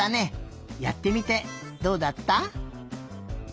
やってみてどうだった？